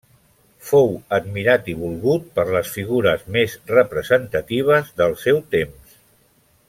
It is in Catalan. Fou admirat i volgut per les figures més representatives del seu temps.